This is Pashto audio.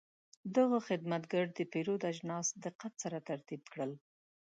دا خدمتګر د پیرود اجناس دقت سره ترتیب کړل.